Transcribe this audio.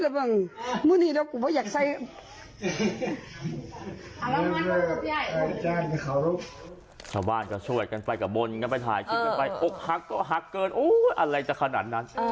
ชาวบ้านก็ช่วยกันไปก็บนกันไปถ่ายคลิปกันไปอกหักก็หักเกินโอ้ยอะไรจะขนาดนั้น